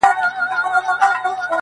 دا دی گيلاس چي تش کړؤ دغه دی توبه کومه,